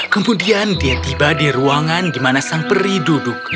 kemudian dia tiba di ruangan di mana sang peri duduk